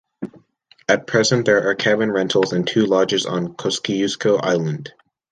At present there are cabin rentals and two lodges on Kosciusko Island.